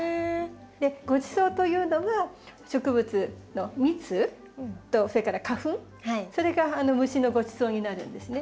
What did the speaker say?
ごちそうというのが植物の蜜とそれから花粉それが虫のごちそうになるんですね。